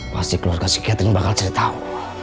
pasti keluarga si catherine bakal cari tau